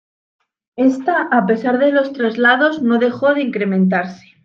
Esta, a pesar de los traslados, no dejó de incrementarse.